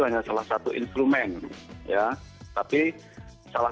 hanya salah satu instrumen ya tapi salah